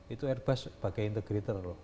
itu airbus bagai integrator loh